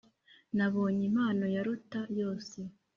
nabonye impano ya lotta yose